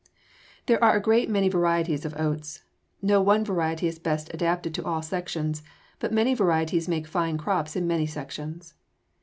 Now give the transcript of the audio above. There are a great many varieties of oats. No one variety is best adapted to all sections, but many varieties make fine crops in many sections.